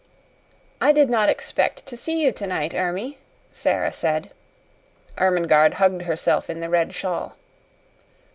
"I did not expect to see you tonight, Ermie," Sara said. Ermengarde hugged herself in the red shawl.